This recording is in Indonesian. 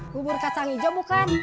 buur kacang hijau bukan